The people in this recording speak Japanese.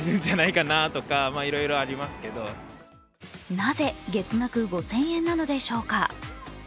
なぜ月額５０００円なのでしょうか。